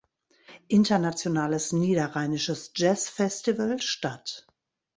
Internationales Niederrheinisches Jazzfestival" statt.